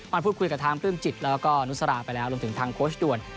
มันพูดคุยกับทางปลื้มจิตแล้วก็นุสราไปแล้วรวมถึงทางโค้ชด่วน